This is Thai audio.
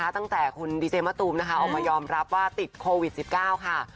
ตั้งแต่คุณดีเจมะตูมนะคะออกมายอมรับว่าติดโควิด๑๙ค่ะ